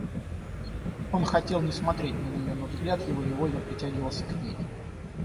Он хотел не смотреть на нее, но взгляд его невольно притягивался к ней.